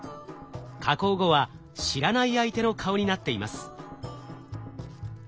加工後は知らない相手の顔になっています。